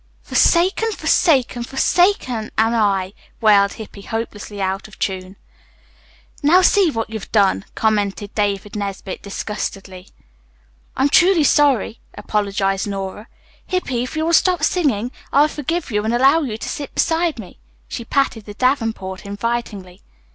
"'Forsaken, forsaken, forsaken am I,'" wailed Hippy, hopelessly out of tune. "Now, see what you've done," commented David Nesbit disgustedly. "I'm truly sorry," apologized Nora. "Hippy, if you will stop singing, I'll forgive you and allow you to sit beside me." She patted the davenport invitingly.